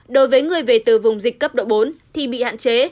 đối với người về từ vùng dịch cấp độ bốn thì bị hạn chế